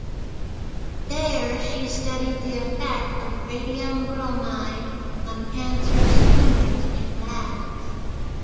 There, she studied the effect of radium bromide on cancerous tumors in rats.